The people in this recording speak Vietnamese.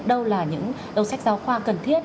đâu là những đồ sách giáo khoa cần thiết